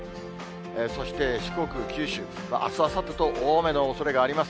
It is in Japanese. そして四国、九州、あす、あさってと大雨のおそれがあります。